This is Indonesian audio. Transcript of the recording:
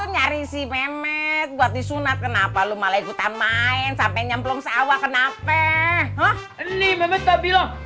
nyaris meme buat disunat kenapa lu malah ikutan main sampai nyemplung sawah kenapa